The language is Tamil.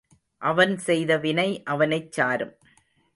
அவன் செய்த வினை அவனைச் சாரும்.